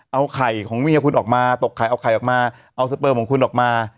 เอาไข่ของเมียคุณออกมาตกไข่เอาไข่ออกมาเอาสเปิมของคุณออกมา